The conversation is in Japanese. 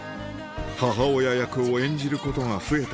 母親役を演じることが増えた